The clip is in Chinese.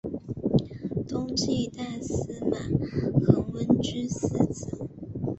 东晋大司马桓温之四子。